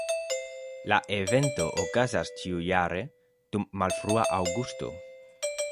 La evento okazas ĉiujare dum malfrua aŭgusto.